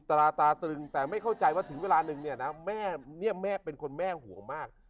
ตราตาตรึงแต่ไม่เข้าใจว่าถึงเวลานึงเนี่ยนะแม่เนี่ยแม่เป็นคนแม่ห่วงมาก